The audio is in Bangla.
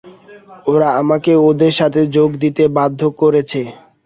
ওরা আমাকে ওদের সাথে যোগ দিতে বাধ্য করেছে।